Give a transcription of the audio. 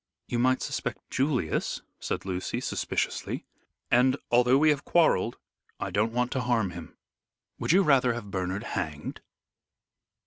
"You might suspect Julius," said Lucy, suspiciously, "and although we have quarrelled I don't want to harm him." "Would you rather have Bernard hanged?"